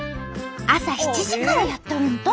朝７時からやっとるんと！